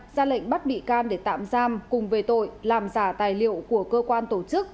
ra lệnh bắt bị can để tạm giam cùng về tội làm giả tài liệu của cơ quan tổ chức